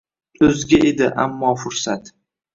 O’zga edi ammo fursat